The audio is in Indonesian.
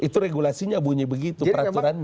itu regulasinya bunyi begitu peraturannya